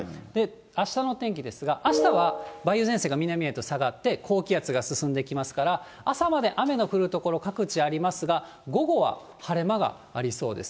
あしたの天気ですが、あしたは梅雨前線が南へと下がって、高気圧が進んできますから、朝まで雨の降る所、各地ありますが、午後は晴れ間がありそうです。